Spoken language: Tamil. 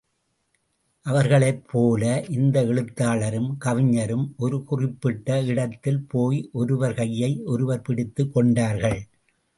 அவர்களைப் போல, இந்த எழுத்தாளரும், கவிஞரும் ஒரு குறிப்பிட்ட இடத்தில் போய் ஒருவர் கையை ஒருவர் பிடித்துக் கொண்டார்கள்.